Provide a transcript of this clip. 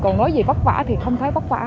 còn nói gì vất vả thì không thấy vất vả